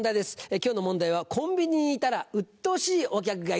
今日の問題はコンビニにいたらうっとうしいお客がいる。